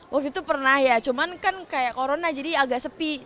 waktu itu pernah ya cuman kan kayak corona jadi agak sepi